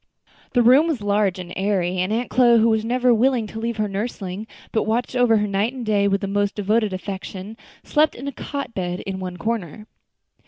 The room was large and airy, and Aunt Chloe, who was never willing to leave her nursling, but watched over her night and day with the most devoted affection, slept in a cot bed in one corner.